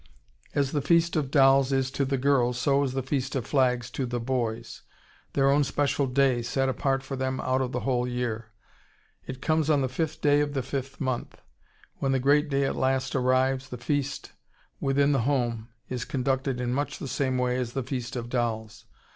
] As the Feast of Dolls is to the girls, so is the Feast of Flags to the boys, their own special day, set apart for them out of the whole year. It comes on the fifth day of the fifth month.... When the great day at last arrives, the feast within the home is conducted in much the same way as the Feast of Dolls.